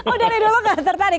oh dari dulu gak tertarik